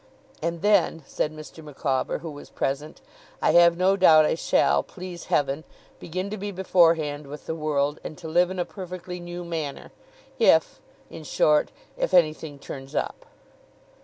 'And then,' said Mr. Micawber, who was present, 'I have no doubt I shall, please Heaven, begin to be beforehand with the world, and to live in a perfectly new manner, if in short, if anything turns up.